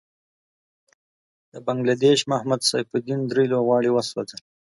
د بنګله دېش محمد سيف الدين دری لوبغاړی وسوځل.